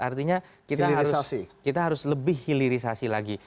artinya kita harus lebih hilirisasi lagi